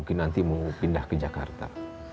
kinanti mau pindah ke jakarta